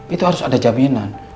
itu harus ada jaminan